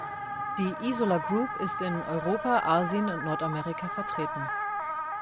Die Isola-Group ist in Europa, Asien und Nordamerika vertreten.